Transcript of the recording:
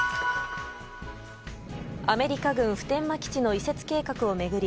アメリカ軍普天間基地の移設計画を巡り